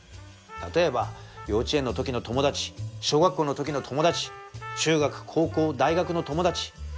例えば幼稚園の時の友達小学校の時の友達中学高校大学の友達。